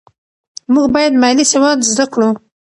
موږ باید مالي سواد زده کړو.